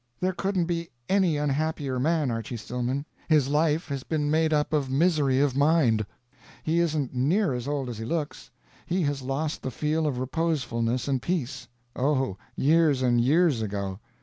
There couldn't be any unhappier man, Archy Stillman; his life had been made up of misery of mind he isn't near as old as he looks. He has lost the feel of reposefulness and peace oh, years and years ago!